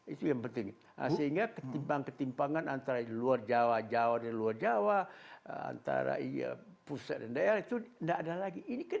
itu yang penting sehingga ketimbang ketimpangan antara di luar jawa jawa dari luar jawa antara pusat dan daerah itu tidak ada lagi